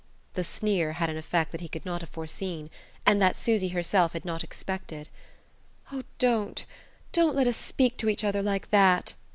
The sneer had an effect that he could not have foreseen, and that Susy herself had not expected. "Oh, don't don't let us speak to each other like that!"